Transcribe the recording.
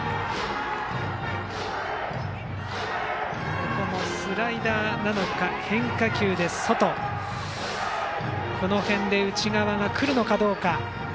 ここもスライダーなのか変化球で外かこの辺で内側が来るのかどうか。